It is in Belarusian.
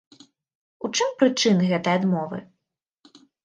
У чым прычыны гэтай адмовы?